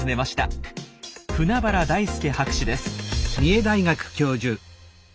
舩原大輔博士です。